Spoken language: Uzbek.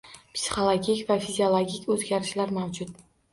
Psixologik va fiziologik oʻzgarishlar mavjud